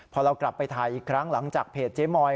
พอเรากลับไปถ่ายอีกครั้งหลังจากเพจเจ๊มอย